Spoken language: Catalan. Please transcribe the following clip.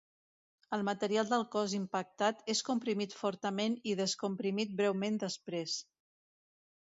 El material del cos impactat és comprimit fortament i descomprimit breument després.